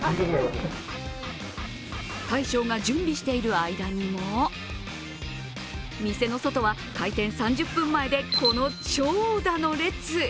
大将が準備している間にも、店の外は開店３０分前でこの長蛇の列。